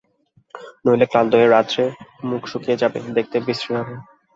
নইলে ক্লান্ত হয়ে রাত্রে মুখ শুকিয়ে যাবে– দেখতে বিশ্রী হবে।